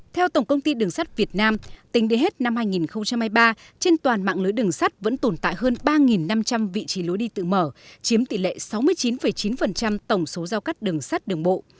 theo tổng công ty đường sắt việt nam tính đến hết năm hai nghìn hai mươi ba trên toàn mạng lưới đường sắt vẫn tồn tại hơn ba năm trăm linh vị trí lối đi tự mở chiếm tỷ lệ sáu mươi chín chín tổng số giao cắt đường sắt đường bộ